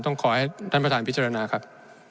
ขอให้ท่านประธานพิจารณาครับ